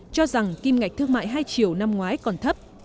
cho rằng kim ngạch thương mại hai triệu năm ngoái còn thấp